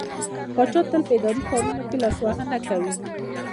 پاچا تل په اداري کارونو کې لاسوهنه کوي.